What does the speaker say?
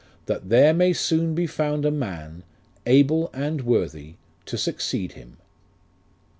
That there may soon he found a man Ahle and worthy To succeed him.